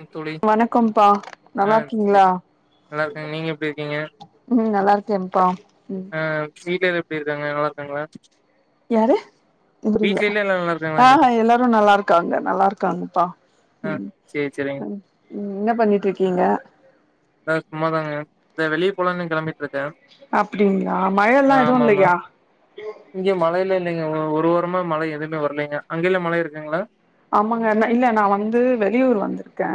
ம் தோழி வணக்கோம்ப்பா ஆ நல்லா செரி இருக்கீங்களா நல்லா இருக்கேங்க நீங்க எப்டி இருக்கீங்க ம் நல்லா ஓகேம்பா ஆ வீட்ல இது எப்டி இருக்காங்க நல்லா இருக்காங்களா யாரு புரியல வீட்லல்ல எல்லா எல்லா நல்லா ஆ இருக்காங்களான்னு கேட்டே ஹா எல்லாரு நல்லா இருக்காங்க நல்லா இருக்காங்கப்பா ஆ ம் செரி செரிங்க ம் என்ன பண்ணிட்ருக்கீங்க நா சும்மாதாங்க இந்த வெளிய போலான்னு கெளம்பிட்ருக் அப்டிங்களா மழல்லா எதுவு ஆமா ஆமா இல்லையா இங்க மழையில இல்லைங்க ஒ ஒரு வாரமா மழை எதுமே வரலீங்க அங்கல்லா மழை இருக்குங்களா ஆமாங்க இல்ல இல்ல நா வந்து வெளியூர் வந்துரு க்கே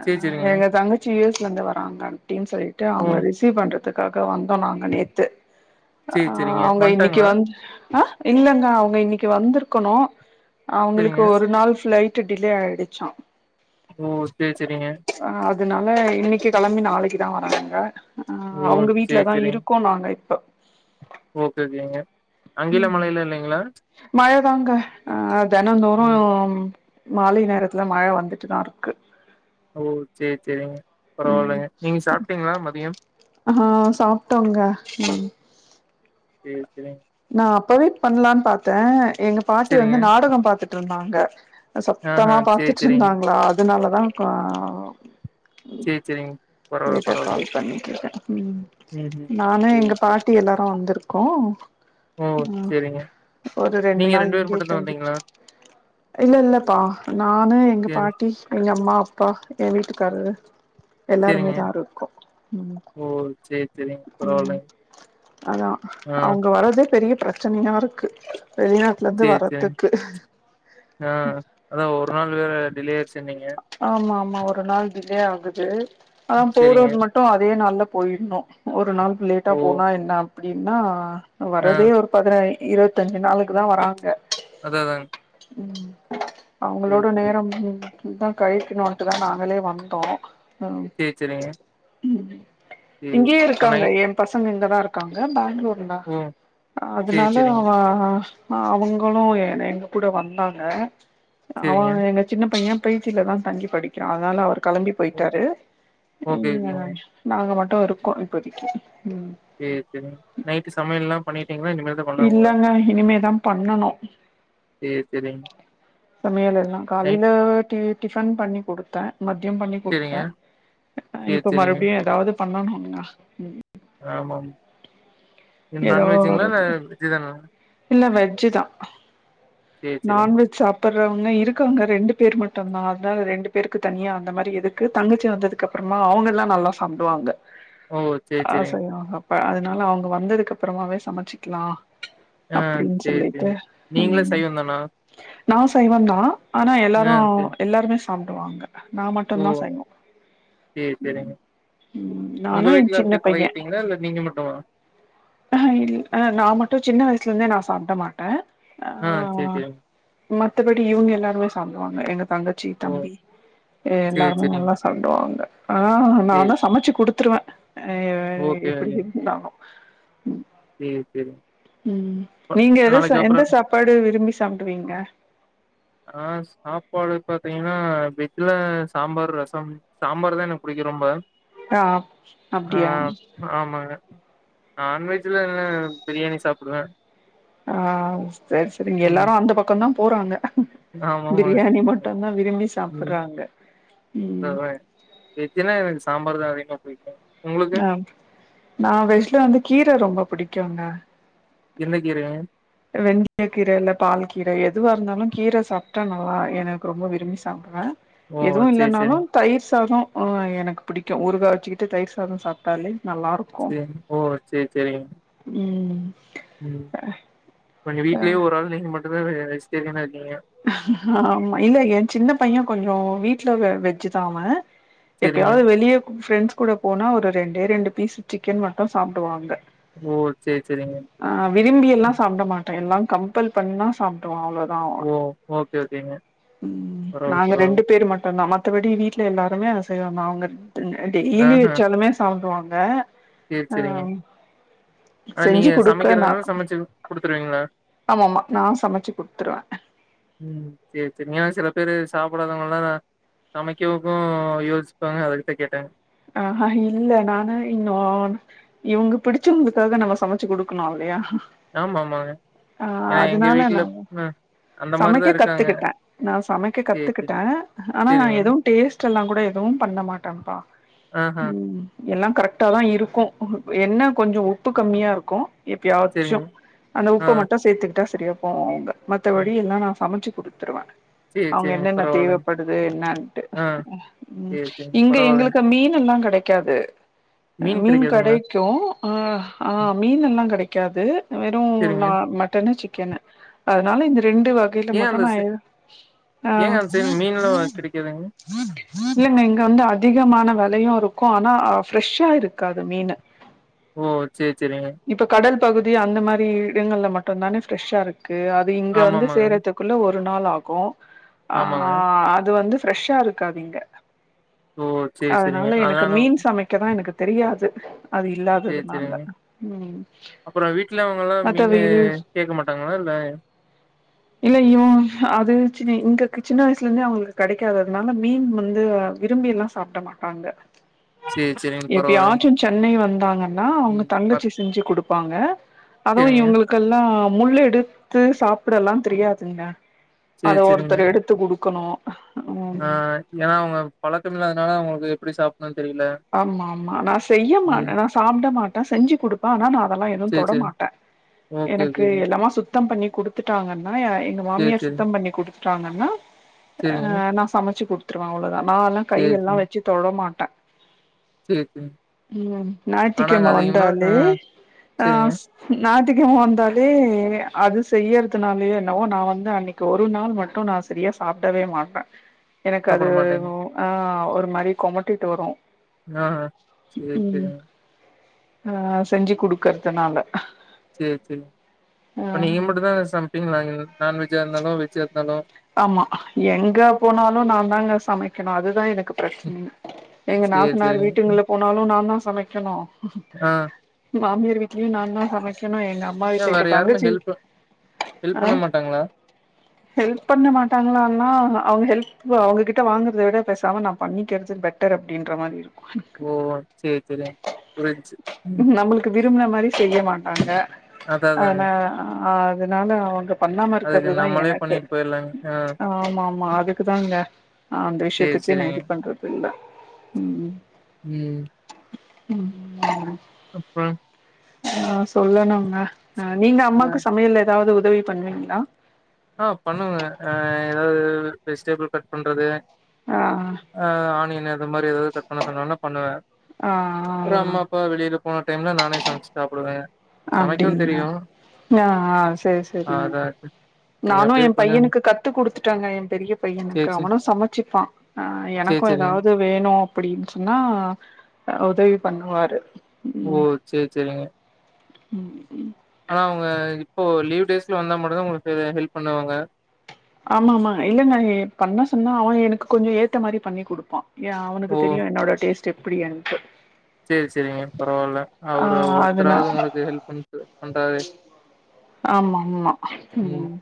ஆ செரி செரிங்க எங்க தங்கச்சி யூ எஸ் ல இருந்து வ ராங்கன்னு அப்டினு சொல்லிட்டு ஓ அவங்கள ரிசீவ் பண்றதுக் காக வந் தோ நாங்க நேத்து ஆ செரி செரிங்க அவங்க இன்னைக்கி வந்ட்டாங்களா வந் ஆ இல்லங்க அவங்க இன்னைக்கி வந்திருக்கணு அவங்களுக் கு செரிங்க ஒரு நாள் ஃப்ளை ட்டு டிலே ஆயிடுச்சா ஓ சேரி சேரிங்க ஆ அதனால இன்னைக்கி கெளம்பி நாளைக்கிதா வராங்க ஆ ஓ அவுங்க செரி வீட்லதா செரிங்க இருக்கோ நாங்க இப்போ ஓகே ஓகேங்க அங்க எல்லா ம் மழ இல்ல இல்லைங்களா மழதாங்க ஆ அது தெனந்தோறு ம் மாலை நேரத்துல மழ வந்துட்டுதா இருக்கு ம் பரவால்லைங்க நீங்க சாப்ட்டீங்களா மதியம் ஆ சாப்ட்டோங்க ம் சேரி சேரிங் நா அப்பவே பண்லான்னு பாத்தே எங்க பாட்டி வந்து செரிங்க நாடகோ பாத்துட்ருந்தாங் அங்க ஆ ஆஹா சத்தமா சேரி பாத்துட் சேரிங்க இருந்தாங்களா அதனால அதாங்க்கா சேரி சேரிங் நீதா கால் பண்ணிட் ம் ம்ஹும் நானு சேரி எங்க சேரி பாட்டி எல்லாரு வந்துருக் கோ ஓ ம் சேரிங்க ஒரு ரெண்டு நீங்க நாள் பேர் இங்கயே மட்டுந்தா தங்கிட்டு வந்தீங்களா? இல்ல இல்லப்பா நானு எங்க சேரி பாட்டி எங்க அம்மா ப்பா எ வீட்டுக்காரரு எல்லாருமே சேரிங்க இதா இருக்கு ம் ஓ சேரி சேரிங்க ம் பரவால்லைங்க அதா ஆ அவங்க வர்றதே பெரிய பிரச்சனையா இருக்கு வெளிநாட்டுல இருந்து சேரி சேரிங் வர்றதுக்கு ஆ அதா ஒரு நாள் வேற டிலே ஆச் சுன்னீங்க மா ஒரு நாள் டிலே ஆகுது அதாம் சேரிங்க போர்றதுக்கு மட்டு அதே நாள்ல போயிருனு ஒரு நாள் லேட்டா ஓ போனா என்னாம் அப்டின்னா ஆ வர்றதே ஒரு பதினய் இருவத்தஞ்சு நாளுக் க்குதா வராங்க அதா அதாங்க ம் புரியுது அவங்களோட புரியுது நேரம் இந்தா கழிக்கணுன்ட்டுதா நாங்களே வந்தோ ஆ ம் சேரி சேரிங்க சேரி இங்கயே இப்ப இருக்காங்க நைட் எம் பசங்க நல்ல இருக்காங்க பெங்களூர் ஓ சேரி அதுனால சேரிங்க அவேன் ஆ அவுங்களும் எங்க கூட வந்தாங்க சேரிங்க அவன் எங்க சின்ன பையன் பேஜில தா தங்கி படிக்கிறான் அதனால அவர் கிளம்பி ஓ போயிட்டாரு ஓகே ஓகேங்க நாங்க மட்டு [unintelligible] இருக்கோம் இப்போதைக்கு சேரி சேரிங்க நைட்டு சமையல்லா பண்ணிட்டீங்களா இனிமேல்தா பண்ணணுங்களா? இல்லேண்ணா இனிமே தா பண்ணணும் சேரி சேரிங்க சமையல எல்லா நைட் காலையில டி டிஃபன் பண்ணி குடுத்தேன் மதியம் பண்ணி சேரிங்க குடித்தேன் சேரி இப்ப சேரிங்க மறுபடியும் ஏதாது பண்ணனும் அப்டினா ம் ஏதோ நான் வெஜுங்களா இல்ல வெஜ் தான சு தான் நான்வெஜ் சாப் சப்புடறவங்க இருக்கிறவங்க ரெண்டு பேர் மட்டும்தான் அதனால ரெண்டு பேருக்கு தனியாக அந்த மாரி எதுக்கு தங்கச்சி வந்ததுக்கு அப்புறமா அவங்கலாம் நல்லா சாப்பிடுவாங்க ஓ செரி செரி செரிங்க அதனால அவுங்க வந்துருக் அப்புறமாவே சமைச்சிக்கலாம் ஆ செரி செரி நீங்களும் ம் சைவம் தானா நா சைவம் தா ஆனா ஆ எல்லாரும் சே எல்லாருமே சாப்புடுவாங்க நா மட்டம் ஓ தா சைவம் சேரி சேரிங்க ம் உங்க நானும் என் வீட்ல சின்ன அப்டியே பையன் பழகிட்டீங்களா இல்ல நீங்க மட்டுமா அ இல் நாமட்டும் சின்ன வயசுல இருந்தே நா சாப்பிட மாட்டேன் ஆ சேரி சேரிங்க மத்தபடி இவுங்க எல்லாருமே சாப் ஆ எங்க தங்கச்சி ஓ தம்பி சேரி எல்லாருமே சேரிங்க நல்லா சாப்புடுவாங்க ஆ நா சேரி ஆனா சமைச்சு குடுத் துருவன் க ஓகே எப்டி ஓகேங்க இருந்தாலும் சேரி சேரிங்க ம் ப நீங்க எத நாளைக்கு எந்த அப்றோ சாப்பாடு விரும்பி சா சாப்பிடுவீங்க ஆ சாப்பாடு பாத்தீங்கன்னா வெஜ்ல சாம்பார் ரசம் சாம்பார் தா எனக்கு புடிக்கும் ரொம்ப ஆ ஆ அப்டியா ஆமாங்க நான்வெஜ்ல என்ன பிரியாணி சாப்பிடுவே ஆ செர் செரி நீங்க எல்லாரு அந்த பக்கந்தா போறாங்க ஆமாமா பிரியாணி மட்டுந்தா விரும்பி ம் சாப்புட்றாங்க ம் அதா வெஜ்ஜின்னா எனக்கு சாம்பார் தா அதிக ஆ நா வெஜ்ல வந்து கீர ரொம்ப புடிக்கு கியூங்க என்ன கீரங்க வெந்திய கீர இல்ல பால் கீர எதுவா இருந்தாலு கீர சாப்பிட்டா நல்லா எனக்கு ரொம்ப விரும்பி சாப்பிடுவே ஓ எதுவு சேரி இல்லனாலு சேரிங்க தயிர் சாதோ ஓ எனக்கு புடிக்கு ஊறுகா வச்சுக்கிட்டு தயிர் சாத சாப்பிட்டாலே செரி போ சேரி சேரிங்க ம் ம் எங்க வீட்லயே ஒரு ஆள் நீங்க மட்டு இப்பவே வெஜ்டேரியனா இருக்கீங்க ஆமா இல்ல ஏ சின்ன பைய கொஞ்ச வீட்ல வெஜ்ஜுதா அவ சேரிங்க எப்பயாது வெளிய பிரெண்ட்ஸ் கூட போனா ஒரு ரெண்டே ரெண்டு பீஸ் சிக்கன் மட்டு சாப்பிடுவாங்க ஓ சேரி சேரிங்க அ விரும்பி எல்லா சாப்பிட மாட்டே எல்லா கம்ப்பல் பண்ணா சாப்டுவா அவ்ளோ [unintelligible] ஓ ஓகே ஓகேங்க ம் பரவால்ல நாங்க ரெண்டு பரவால்ல பேர் மட்டு நா மத்தபடி வீட்ல எல்லாருமே அசைவ அவுங்கன ரெண்டு அடி இலி ஆஹா வச்சாலுமே சாப்படுவாங்க பெ சேரி அ சேரிங்க ஆனா செஞ்சு நீங்க குடுக்க நா சமைக்கிறதுனால சமைச்சு குடுத்துருவீங்களா ஆமாமா நா சமைச்சு குடுத்துருவே ம் சேரி சேரி நீ சில பேரு சாப்பிடாதவங்க எல்லா சமைக்கக்கு யோசிப்பாங்க அதுக்குதா கேட்டே ஆஹ இல்ல நானு இன்னு இவுங்க பிடிச்சவுங்ளுக்காக நம்ம சமச்சு குடுக்கனுல்லயா ஆமா ஆமாங்க ஆ ஏன்னா எங்க அதுனால வீட்ல நா அ அந்த மாரிதா சமைக்க இருக்காங்க கத்துக்கிட்டே நா சமைக்க சேரி சேரி கத்துக்கிட்டே ஆனா சரிங்க. எது டேஸ்ட் டெல்லா கூட எதுவு பண்ண மாட்டேம்ப்பா ஆஹா, ம் எல்லா கரெக்டா தா இருக்கு என்ன கொஞ்சொ உப்பு கம்மியாருக்கு எப்யாச்சு சரிங்க. அந்த ஆ. உப்ப மட்டு சேத்துக்கி ட்டா சரியா போவு அவுங்க ம். மத்தபடி எல்லா நா சமச்சு குடுத்துருவெ சரி, அங்க சரிங்க. என்னென்ன பரவாயில்லங்க. தேவப்படுது என்னான்ட்டு ஆ, சரி, சரிங்க. இங்க பரவாயில்லங்க. எங்களுக் கு எல்லாங் கெடைக்காது மீன் கடைக்கு ஆ ஆ ம். மீன் எல்லா கடை க்காது வெறு சரிங்க. நா மட்டனு சி க்கனு அதுனால இந்த ரெண்டு வகைல ஏன் மட்டு அந்த நா சை இது ஆ ஏங்க அந்த சைடு மீன்லாம் கிடைக்காதுங்க? இல்லெங்க இங்க வந்து அதிக மான வெலையு இருக்கு ஆனா ஃப்ரெஷ்ஷா இருக்காது மீனு ஓ சேர் செரிங்க கடல் பகுதி அந்த மாரி இடங்கள்ல மட்டுந்தானே ஃப்ரெஷ்ஷா இரு க்கு அது இங்க வந்து ஆமாமாங்க. சேர்றத்துக்குள்ள ஒ ரு நாளாகு ஆ ஆமாங்க. அது வந்து ஃப்ரெஷ்ஷா இருக்காது இங்க ஓ! சரி, சரிங்க. அதுனால எனக்கு அதனால மீன் சமைக்கதா எனக்கு தெரியாது அது சரி, இல்லாததுனால சரிங்க. ம் அப்புறம் வீட்ல அவங்கலாம் மீனு [unintelligible] இது கேட்க மாட்டாங்களா? இல்ல இல்ல யு அது சின்ன இங்க சின்ன வயசுலந்தே அவுங்களுக்கு கெடைக்காததுனால மீன் வந்து விரும்பி எல்லா சாப்ட மாட்டாங்க சரி, சரிங்க. பரவாயில்லங்க. எப்பயாச்சு சென்னை வந்தாங்கன்னா அவுங்க ம். பத் தங்கச்சி செஞ்சு குடு ப்பாங்க அதுவு சரிங்க. இவுங்களுக்கல்லா முள்ள எடுத்து சாப்புடல்லா தெரியாதுங்க அத சரி, சரிங்க. ஒருத்தர் எடுத்து குடுக்கணு ம் ஆ ஏனா அவங்க பழக்கம்மிலா என்னால உங்களுக்கு எப்டி சாப் ஆமா ஆமா நா செய்ய ம். மாட்ட நா சாப்ட மாட்ட செஞ்சு குடுப்ப ஆனா நா அதல்லா எது சரி, தொட சரி. மாட்ட ஓகே, எனக்கு ஓகேங்க. எல்லாமா சுத்தம் பண்ணி குடுத்துட்டாங்கன் னா எங்க சரி, மாமியார் சரி. சுத்தம் பண்ணி குடுத் த்தாங்கன்னா செரிங்க அ நா சமச்சு குடுத் துருவ அவ்ளோதா நால்லா சேரி கையெல்லா சேரி வெச்சு தொடமாட் ட்ட சேரி சேரி ம் ஆனாங்க ஞாயித்துகெழம அதிகமா வந்தாலே ஆ ஆ செரிங்க நான் ஞாயித்துக்கெழம வந்தாலே அது செய்யறதுனாலயே என்னவோ நா வந்து அன்னைக்கு ஒரு நாள் மட்டு நா செரியா சாப்டவே மாட்ட எனக்கு அது சாப்ட மாட்டேங்க ஆ அவ் ஒரு மாரி கொமட்டிட்டு வரு ஆ ஆ சேர் ம் சேரிங்க ஆ செஞ்சு குடுக்கறதுனால சேர் சேரிங்க ஆ இப்ப நீங்க மட்டுந்தா சமப்பீங்களா நான்வெஜ்ஜா இருந்தாலு வெஜ்ஜா இருந்தாலு ஆம்மா எங்க போனாலு நாதாங்க சமைக்கணு அதுதா எனக் க்கு பிரச்சனையே எங்க சேரி நாத்தனார் சேரிங்க வீட்டுங்களு போனாலு நாந்தாஸ் சமைக்கணு ஆ மாமியார் வீட்லயு நாந்தா சமைக் கனு எங்க அம்மா ஏ வீட்ல வேற இப்ப யாருமே தங்கச்சி வீட் ஹெல்ப் ஹெல்ப் ஆ பண்ண மாட்டாங்களா ஹெல் பண்ண மாட்டாங்களான்னா அவங்க ஹெல்ப்பு அவங்ககிட்ட வாங்குறத விட பேசாம நா பண்ணிக்கிறது பெட்டர் அப்டின்ற மாரி இரு ஓ சேர் சேரிங் புருஞ்சு ம் நம்மளுக்கு விரும்புன மாரி செய்ய மாட்டாங்க அதா அதாங்க அதனாலதா ஆ அதனால அவங்க பண்ணாம அதுக்கு இருக்குறது தா நம்மளே எனக்கு பண்ணிட்டு போயிரலாங்க ஆ ஆமா ஆமா அதுக்குதாங்க அந்த சேரி விஷயத்துக்கே நா சேரிங்க இது பண்றது இல்ல ம் ம் ம் அப்ப ஆ சொல்லணுங்க ஆ நீங்க அம்மாவுக்கு சமையல எதாவது உதவி பண்ணுவீங்களா ஆ பண்ணுவேன் ஏதாவது வெஜ்டபுள் கட் பண்றது ஆ அ ஆணியன் அது மாரி ஏதாது கட் பண்ண சொன்னாங்கனா பண்ணுவேன் ஆ அப்றோ அம்மா அப்பா வெளில போன டைம்ல நானே சமைச்சு சாப்டுவேன் அப்டிங்களா ஆ ஆ செரி செரி அதா நானும் அப்டியே என் கொஞ்சோ பையனுக்கு கத்து குடுத்துட்டேங்க என் பெரிய சேரி பையனுக்கு சேரி அவனும் சமச்சிப்பான் ஆ சேரி எனக்கும் சேரிங்க எதாவது வேணும் அப்டின்டுனா உதவி பண்ணுவாரு ஓ ம் செரி செரிங்க ம் ஆனா அவங்க இப்போ லீவ் டேஸ்ல வந்தா மட்டும்தான் உங்களுக்கு ஹெல்ப் பண்ணுவாங்க ஆமா ஆமா இல்ல நா பண்ண சொன்னா அவன் எனக்கு கொஞ்சம் ஏத்த மாரி பண்ணி குடுப்பான் யா அவனுக்கு தெரியும் என்னோட டேஸ்ட் எப்டிண்டு செரி செரிங்க பரவாயில்ல அவரு அதுனா ஒருத்தராவது உங்களுக்கு ஹெல்ப் பண்ணற ஆமா ஆமா ம்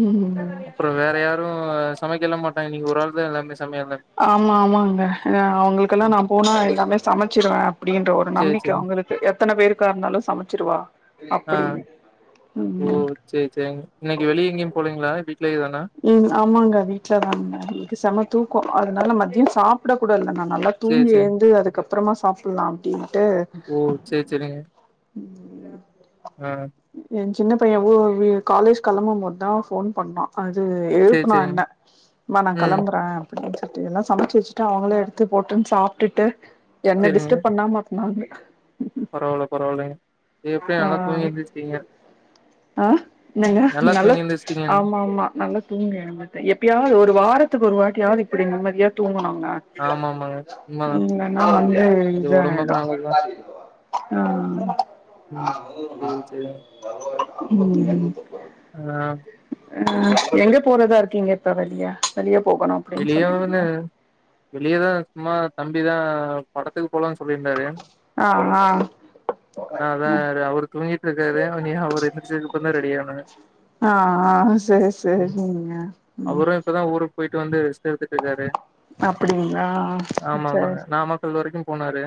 ம் அப்றோ வேற யாரும் சமைக்கல்ல மாட் நீங்க ஒரு ஆள் தா எல்லாமே செ ஆமா ஆமாங்க அவங்களுக்கெல்லாம் நா போனா எல்லாமே சமைச்சிருவேன் அப்டின்ற ஒரு சேரி நம்பிக்கை சேரிங்க அவங்களுக்கு எத்தனை பேருக்கா இருந்தாலும் சமைச்சிருவா ஆ அப்டின்னு ஓ ம் செரி செரி இன்னைக்கு வெளிய எங்கேயும் போலீங்களா வீட்லயே தானா ம் ஆமாங்க வீட்ல தா இன்னைக்கு செம தூக்கம் அதனால மத்தியம் சாப்பிட கூட இல்ல நானு நல்லா சேரி தூங்கி சேரிங்க ஏழுந்து அதுக்கப் அப்றேமா சாப்பிடலாம் கட்டு ஓ சேரி சேரிங்க உ ஆ எ சின்ன பையன் உ ஆ காலேஜ் கிளம்பும்போது தா ஃபோன் பண்ணா அது சேரி எழுப்புனா சேரிங்க. என்ன மா நா ம் களம்புறே அப்படின்னு சொல்லி ஏன்னா சமைச்சு வச்சுட்டு அவங்கள எடுத்து போட்டுன்னு சாப்ட்டுட்டு என்ன சேரிங்க. டிஸ்டர்பப் பண்ணாம பாப்பே பரவால்ல பரவாலிங்க எப்பயோ நல்லா ஆ தூங்கியெந்திச்சிடீங்க ஆ என்னங்க நல்லது ஆமா மா நல்லா தூங்கி எழுந்துட்டே எப்பயாவது ஒரு வாரத்துக்கு ஒரு வாட்டியாவது இப்படி நிம்மதியா தூங்கணு ஆமா ஆமாங்க. உண்மதான். இன்னா வந்து அது இத ஆயிடு ஒடம்புக்கும் நல்லதுதான். ஆ ம். சேரி சேரிங்க. உம் ஆ ம எங்க போறதா இருக்கீங்க இப்ப வெளிய வெளியப் வெளியோன்னு வெளியே இருக்குமா தம்பிதா படத்துக்கு போனுனு சொ அப்டின்னாறு ஆ ஆ அதா அவரு தூங்கி இருக்கிராரு நீ அவரு ட்ரிப்ஸ் ஏறுணகப்புரம் ரெடியானே ஆ ஆ சேரி சேரிங்க ம் அவரு இப்பதா ஊருக்கு போய்ட் இதுவந்து சேர்த்துட்டு இருக்காரு அப்டிங்களா சேரி ஆமாமாங்க நாமக்கள் வரைக்கு போனாரு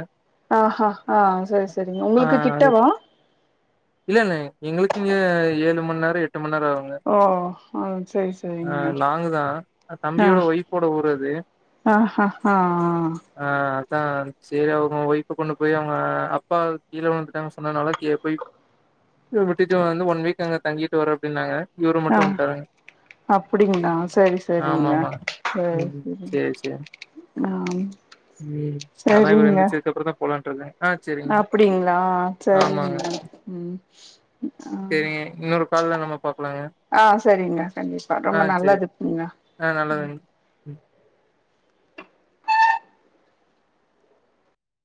ஆ ஹ ஹா சேரி சேரிங்க ஆ உங்களுக்கு கிட்டவா முன்னேர ஓ ஆ சேரி ஆ சேரிங்க லாங்கு தா ஆ தம்பியோட ஒய்ஃபோட ஊர் அது ஆ ஹ ஹா ஆ அதா சேரி அவுங்க ஒய்ப்பு கொண் போய் அவுங்க அப்பா கீழ விழுந்துட்டாங்க சொன்னதுனால கீ போய் விட்டுட்டு வந்து ஒன் வீக் அங்கே தங்கிட்டு வர அப்பிடின்னாங்க அ அப்புடிங்களா சேரி சே ஆமாமா உ சேரி சேரி ஆ உ அதா இவர சரிங்க எந்துச்சதுக்கப்புற தா போலனு ஆன்ட்ருந்தே அப்டிங்களா ஆமாங்க சைரிங்க உ சேரிங்க இன்னொரு கால்ல நம்ம பாக்கலாங்க ஆ சேரிங்க கண்டிப்பா ஆ ரொம்ப சேரி நல்லதுக்குங்க ஆ நல்லதுங்க [inaudible]